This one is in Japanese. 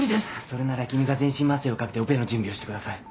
それなら君が全身麻酔をかけてオペの準備をしてください。